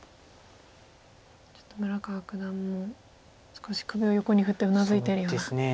ちょっと村川九段も少し首を横に振ってうなずいてるような。